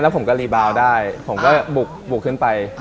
ผมก็รีบาวได้ผมก็บุกขึ้นไป